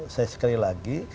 saya sekali lagi